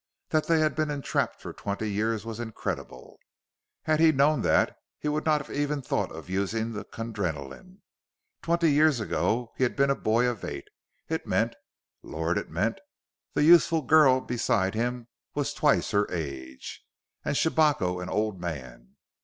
That they had been entrapped for twenty years was incredible. Had he known that, he would not even have thought of using the Kundrenaline. Twenty years ago he had been a boy of eight; it meant Lord! it meant the youthful girl beside him was twice her age; and Shabako an old man!